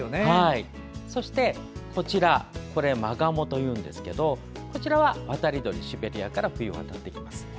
そして、マガモというんですがこちらは渡り鳥、シベリアから冬にやってきます。